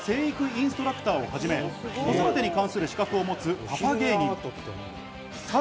川島さんはこども成育インストラクターをはじめ、子育てに関する資格を持つパパ芸人。